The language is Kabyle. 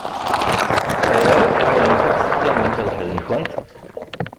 Ayɣer i tḥemmlemt ad teqqimemt weḥd-nkent?